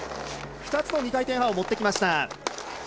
２つの２回転半を持ってきました。